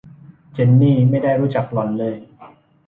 เจนนี่ไม่ได้รู้จักหล่อนเลย